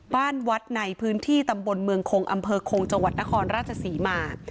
บ้านวัดในพื้นที่ตำบลเมืองคงอำเภอคงจังหวัดนครราชศรีมา